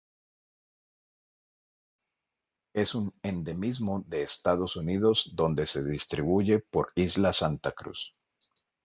Es un endemismo de Estados Unidos donde se distribuye por Isla Santa Cruz.